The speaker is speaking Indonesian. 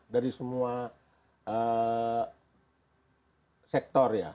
dari semua sektor ya